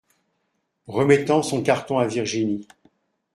Remettant son carton à Virginie.